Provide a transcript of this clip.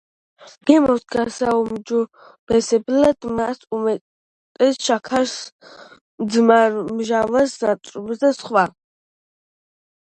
გემოს გასაუმჯობესებლად მას უმატებენ შაქარს, ძმარმჟავა ნატრიუმს და სხვა.